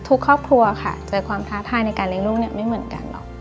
ครอบครัวค่ะเจอความท้าทายในการเลี้ยงลูกไม่เหมือนกันหรอก